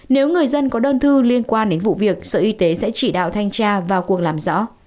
nếu người dân có đơn thư liên quan đến vụ việc sở y tế sẽ chỉ đạo thanh tra vào cuộc làm rõ